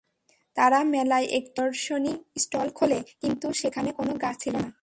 তারা মেলায় একটি প্রদর্শনী স্টল খোলে, কিন্তু সেখানে কোনো গাছ ছিল না।